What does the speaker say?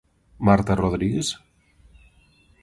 Marta Rodríguez?